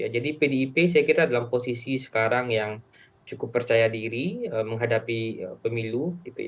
jadi pdip saya kira dalam posisi sekarang yang cukup percaya diri menghadapi pemilu